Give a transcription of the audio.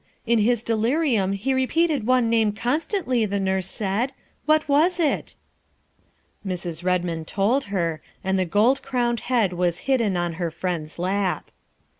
In his delirium he repeated one name constantly, the nurse said. What was it?" Mrs. Redmond told her, and the gold crowned head was hidden on her friend's lap.